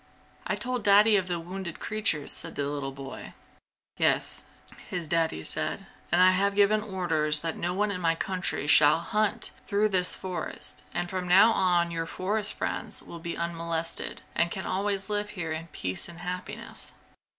"I told Daddy of the wounded creatures!" said the little boy. "Yes," his Daddy said, "and I have given orders that no one in my country shall hunt through this forest, and from now on your forest friends will be unmolested and can always live here in peace and happiness."